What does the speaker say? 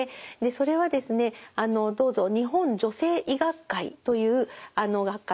それはですねどうぞ日本女性医学会という学会のですね